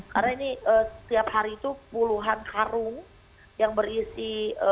karena ini setiap hari itu puluhan karung yang berisi